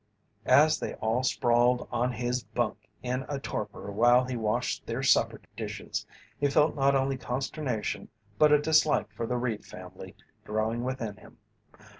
As they all sprawled on his bunk in a torpor while he washed their supper dishes, he felt not only consternation but a dislike for the Reed family growing within him.